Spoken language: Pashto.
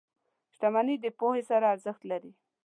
• شتمني د پوهې سره ارزښت لري.